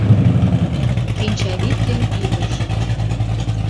Шинчавӱд ден ӱдыржым